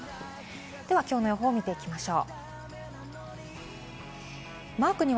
では、きょうの予報を見ていきましょう。